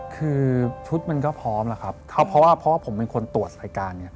คือชุดมันก็พร้อมแล้วครับเพราะว่าผมเป็นคนตรวจรายการ